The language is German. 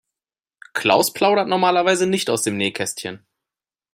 Klaus plaudert normalerweise nicht aus dem Nähkästchen.